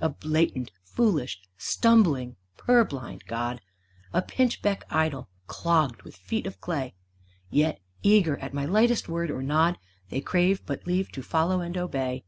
A blatant, foolish, stumbling, purblind god, A pinchbeck idol, clogged with feet of clay! Yet, eager at my lightest word or nod, They crave but leave to follow and obey.